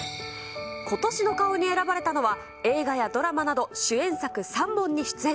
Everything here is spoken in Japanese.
今年の顔に選ばれたのは、映画やドラマなど主演作３本に出演。